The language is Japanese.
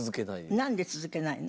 なんで続けないの？